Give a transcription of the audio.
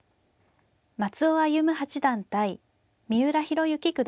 松尾歩八段対三浦弘行九段。